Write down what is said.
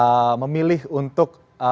masyarakat nampaknya memilih untuk